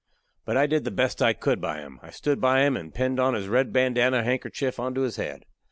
But I did the best I could by him. I stood by him and pinned on his red bandanna handkerchief onto his head.